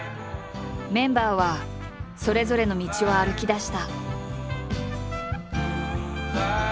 メンバーはそれぞれの道を歩きだした。